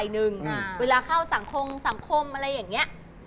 คือแม่ไห้ปลาพรเขาก็เจอหนูนะ